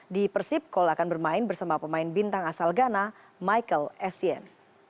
di persib call akan bermain bersama pemain bintang asal ghana michael essien